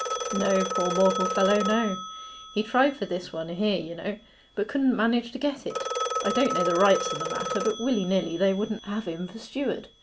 'No, poor mortal fellow, no. He tried for this one here, you know, but couldn't manage to get it. I don't know the rights o' the matter, but willy nilly they wouldn't have him for steward.